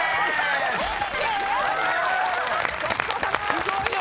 すごいよ！